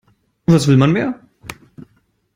Was will man mehr?